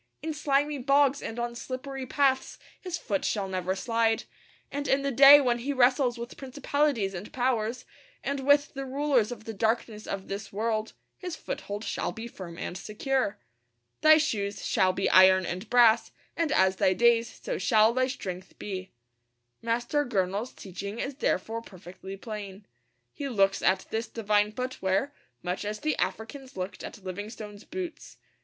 In slimy bogs and on slippery paths his foot shall never slide; and in the day when he wrestles with principalities and powers, and with the rulers of the darkness of this world, his foothold shall be firm and secure. 'Thy shoes shall be iron and brass, and as thy days so shall thy strength be.' Master Gurnall's teaching is therefore perfectly plain. He looks at this divine footwear much as the Africans looked at Livingstone's boots.